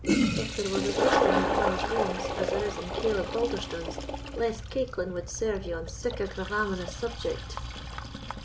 If there was as little in your honours' wames as there is in Caleb Balderstone's, less caickling wad serve ye on sic a gravaminous subject."